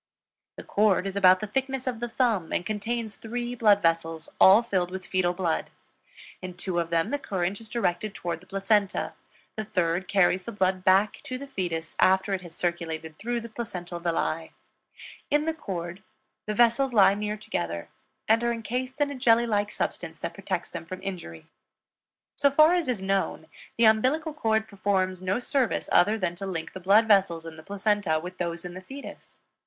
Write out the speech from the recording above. The cord is about the thickness of the thumb and contains three blood vessels, all filled with fetal blood; in two of them the current is directed toward the placenta, the third carries the blood back to the fetus after it has circulated through the placental villi. In the cord the vessels lie near together and are encased in a jelly like substance that protects them from injury. So far as is known; the umbilical cord performs no service other than to link the blood vessels in the placenta with those in the fetus.